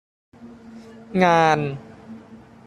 งาน